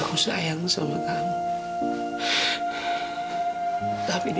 kemu rajin apa kalau kita berdua